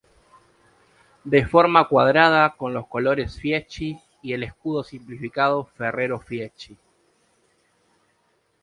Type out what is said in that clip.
De forma cuadrada, con los colores Fieschi, y el escudo simplificado Ferrero-Fieschi.